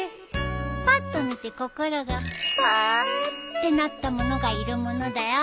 パッと見て心がパァってなった物がいる物だよ。